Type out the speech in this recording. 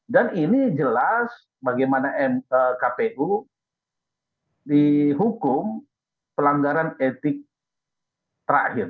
dan ini jelas bagaimana kpu dihukum pelanggaran etik terakhir